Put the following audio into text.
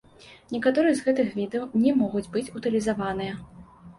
Некаторыя з гэтых відаў не могуць быць утылізаваныя.